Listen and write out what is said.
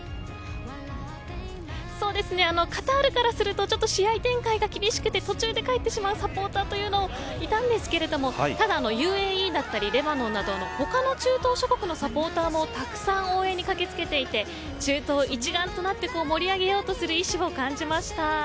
そうですねカタールからすると試合展開が厳しくて、途中で帰ってしまうサポーターもいたんですがただＵＡＥだったりレバノンなどの他の中東諸国のサポーターもたくさん応援に駆けつけていて中東一丸となって盛り上げようとする意志を感じました。